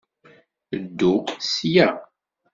Ddu sya!